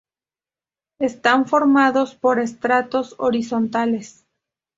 Están formados por estratos horizontales.